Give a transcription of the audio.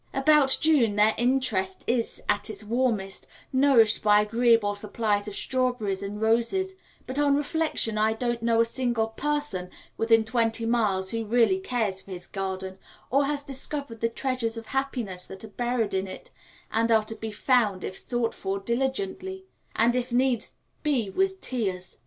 About June their interest is at its warmest, nourished by agreeable supplies of strawberries and roses; but on reflection I don't know a single person within twenty miles who really cares for his garden, or has discovered the treasures of happiness that are buried in it, and are to be found if sought for diligently, and if needs be with tears.